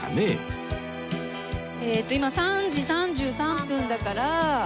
えっと今３時３３分だから。